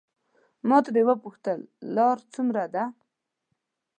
ما ترې وپوښتل لار څومره ده.